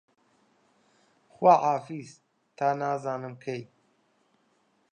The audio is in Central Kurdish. خواحافیز تا نازانم کەی